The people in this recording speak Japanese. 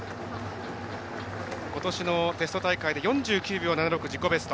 ことしのテスト大会で４９秒７６自己ベスト。